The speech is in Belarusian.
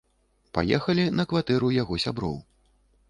Паехалі на кватэру яго сяброў.